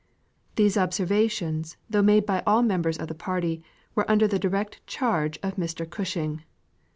These observations, though made by all members of the party, were under the direct charge of Mr Gushing.